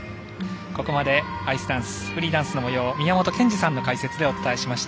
ここまでアイスダンスフリーダンスのもようを宮本賢二さんの解説でお伝えしてきました。